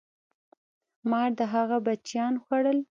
مار د هغه بچیان خوړل.